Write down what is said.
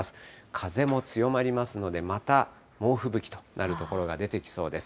風も強まりますので、また猛吹雪となる所が出てきそうです。